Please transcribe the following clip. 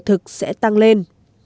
thực sẽ tăng lên